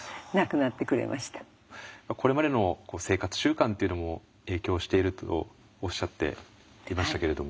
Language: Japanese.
これまでの生活習慣というのも影響しているとおっしゃっていましたけれども。